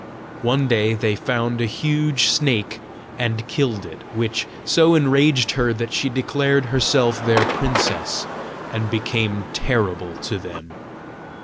One day they found a huge snake and killed it; which so enraged her that she declared herself their princess, and became terrible to them.